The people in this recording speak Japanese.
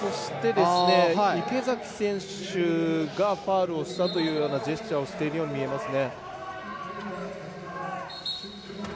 池崎選手がファウルをしたというジェスチャーをしているように見えますね。